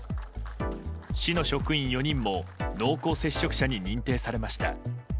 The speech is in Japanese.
市の職員４人も濃厚接触者に認定されました。